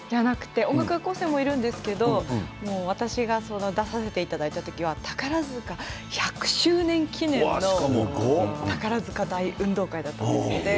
音楽学校生もあるんですけど私が出させていただいた時は宝塚１００周年記念の宝塚大運動会があったんです。